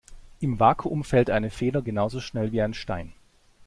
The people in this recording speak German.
Im Vakuum fällt eine Feder genauso schnell wie ein Stein.